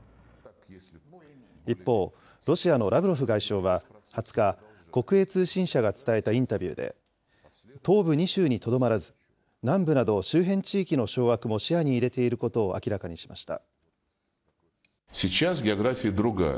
一方、ロシアのラブロフ外相は２０日、国営通信社が伝えたインタビューで、東部２州にとどまらず、南部など、周辺地域の掌握も視野に入れていることを明らかにしました。